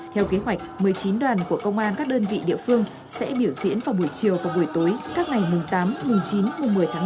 theo kế hoạch một mươi chín đoàn của công an các đơn vị địa phương sẽ biểu diễn vào buổi chiều và buổi tối các ngày mùng tám mùng chín mùng một mươi tháng năm